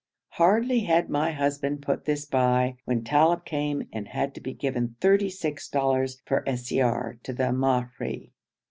Hardly had my husband put this by, when Talib came and had to be given thirty six dollars for siyar to the Mahri.